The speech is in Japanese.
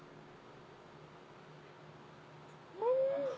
うん！